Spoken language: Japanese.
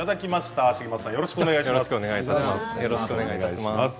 よろしくお願いします。